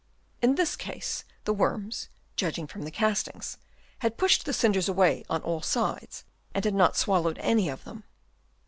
In this case the worms, judging from the castings, had pushed the cinders away on all sides and had not swallowed any of them.